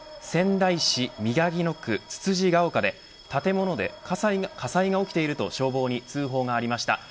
仙台市宮城野区榴岡で建物で火災が起きていると消防に通報がありました。